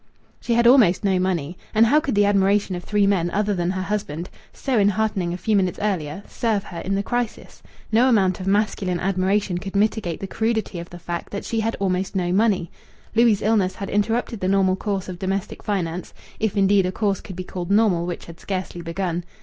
She had almost no money. And how could the admiration of three men other than her husband (so enheartening a few minutes earlier) serve her in the crisis? No amount of masculine admiration could mitigate the crudity of the fact that she had almost no money. Louis' illness had interrupted the normal course of domestic finance if, indeed, a course could be called normal which had scarcely begun.